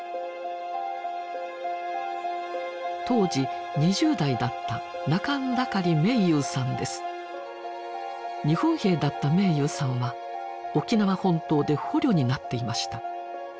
当時２０代だった日本兵だった明勇さんは沖縄本島で捕虜になっていました。